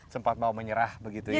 sempat mau menyerah begitu ya